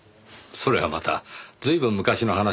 それはまた随分昔の話ですね。